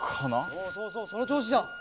そうそうそうそのちょうしじゃ。